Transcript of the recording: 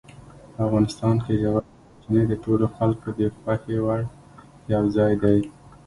افغانستان کې ژورې سرچینې د ټولو خلکو د خوښې وړ یو ځای دی.